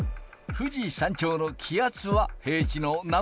富士山頂の気圧は平地の何％？